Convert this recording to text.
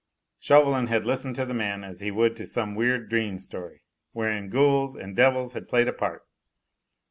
Chauvelin had listened to the man as he would to some weird dream story, wherein ghouls and devils had played a part.